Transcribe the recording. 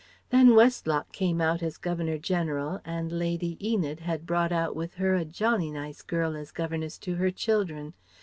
Then Westlock came out as Governor General, and Lady Enid had brought out with her a jolly nice girl as governess to her children.